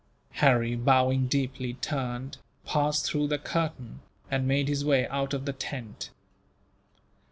Harry, bowing deeply, turned, passed through the curtain, and made his way out of the tent.